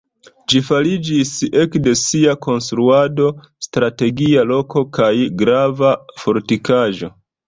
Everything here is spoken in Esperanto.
Ĝi fariĝis ekde sia konstruado strategia loko kaj grava fortikaĵo.